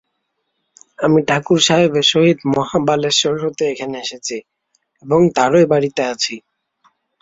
আমি ঠাকুরসাহেবের সহিত মহাবালেশ্বর হতে এখানে এসেছি এবং তাঁরই বাড়ীতে আছি।